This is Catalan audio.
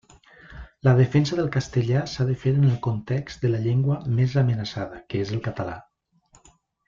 La defensa del castellà s'ha de fer en el context de la llengua més amenaçada, que és el català.